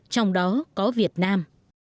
trong đó có việt nam